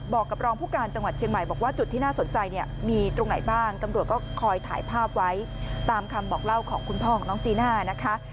บอกกับรองผู้การจังหวัดเชียงใหม่บอกว่าจุดที่น่าสนใจเนี่ยมีตรงไหนบ้างตำรวจก็คอยถ่ายภาพไว้ตามคำบอกเล่าของคุณพ่อของน้องจีน่านะคะ